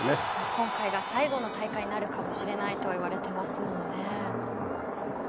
今回が最後の大会になるかもしれないといわれていますよね。